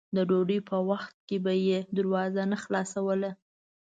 د ډوډۍ په وخت کې به یې دروازه نه خلاصوله.